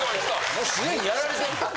もうすでにやられてるけど。